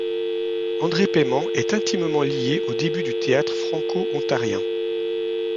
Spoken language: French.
André Paiement est intimement lié au début du théâtre franco-ontarien.